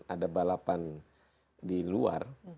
ada balapan di luar